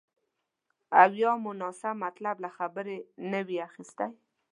او یا مو ناسم مطلب له خبرې نه وي اخیستی